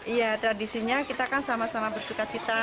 iya tradisinya kita kan sama sama bersuka cita